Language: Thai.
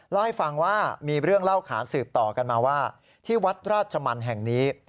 เล่าให้ฟังว่ามีเรื่องเล่าขานสืบต่อกันมาว่าที่วัดราชมันแห่งนี้